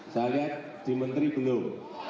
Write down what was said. saya lihat di menteri belum